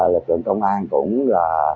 lịch trường công an cũng